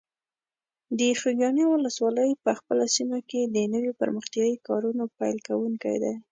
د خوږیاڼي ولسوالۍ په خپله سیمه کې د نویو پرمختیایي کارونو پیل کوونکی ده.